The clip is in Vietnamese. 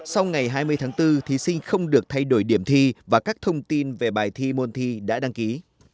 sau ngày hai mươi tháng bốn thí sinh không được thay đổi điểm thi và các thông tin về bài thi môn thi đã đăng ký